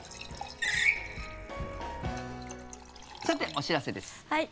さて、お知らせです。